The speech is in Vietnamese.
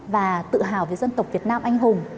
và tự hào về dân tộc việt nam anh hùng